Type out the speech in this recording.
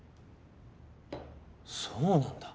そうなんだ。